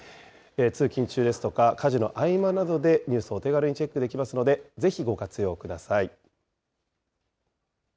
通勤中ですとか、家事の合間などでニュースをお手軽にチェックできますので、ぜひご活用ください。